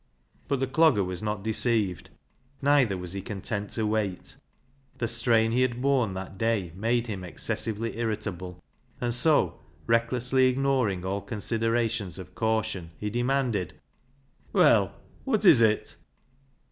But the Clogger was not deceived. Neither was he content to wait. The strain he had borne that day made him excessively irritable, and so, recklessly ignoring all considerations of caution, he demanded —" Well ! wot is it